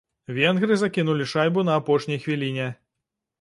Венгры закінулі шайбу на апошняй хвіліне.